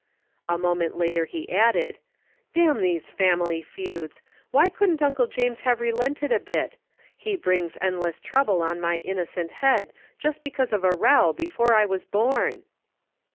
A moment later he added, "Damn these family feuds! Why couldn't Uncle James have relented a bit? He brings endless trouble on my innocent head, just because of a row before I was born."